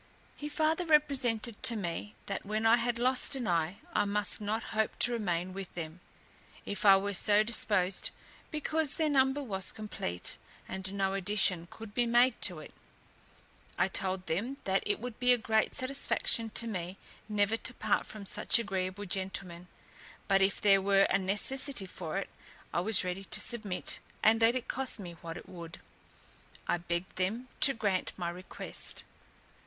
He farther represented to me, that when I had lost an eye I must not hope to remain with them, if I were so disposed, because their number was complete, and no addition could be made to it. I told them, that it would be a great satisfaction to me never to part from such agreeable gentlemen, but if there were a necessity for it, I was ready to submit; and let it cost me what it would, I begged them to grant my request.